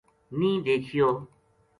نیہہ دیکھیو